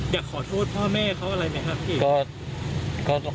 อยากขอโทษพ่อแม่เขาอะไรไหมครับพี่